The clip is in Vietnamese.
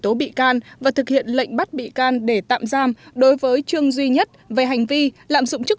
tố bị can và thực hiện lệnh bắt bị can để tạm giam đối với trương duy nhất về hành vi lạm dụng chức